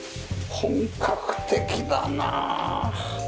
本格的だなあ。